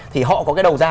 thì họ có cái đầu ra